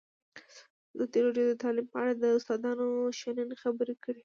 ازادي راډیو د تعلیم په اړه د استادانو شننې خپرې کړي.